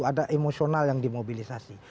ada emosional yang dimobilisasi